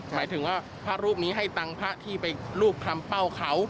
หมายถึงว่าพระรูปนี้ให้ตังค์พระที่ไปรูปคำเป้าเขา